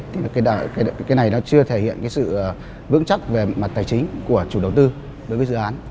thì cái này nó chưa thể hiện cái sự vững chắc về mặt tài chính của chủ đầu tư đối với dự án